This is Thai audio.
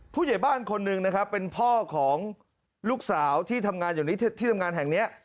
ผู้ใหญ่บ้านคนหนึ่งนะครับเป็นพ่อของลูกสาวที่ทำงานอยู่ที่ทำงานแห่งนี้